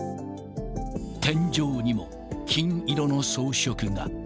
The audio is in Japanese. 天井にも金色の装飾が。